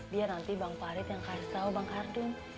biar nanti bang farid yang kasih tau bang ardun ya